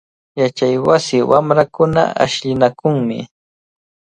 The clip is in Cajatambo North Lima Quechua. Yachaywasi wamrakunaqa ashllinakunmi.